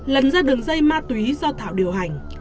lần ra đường dây ma túy do thảo điều hành